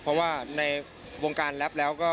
เพราะว่าในวงการแรปแล้วก็